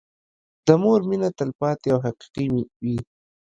د مور مينه تلپاتې او حقيقي وي.